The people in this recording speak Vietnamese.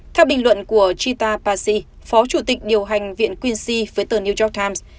theo bình luận của chita pasi phó chủ tịch điều hành viện quincy với tờ new york times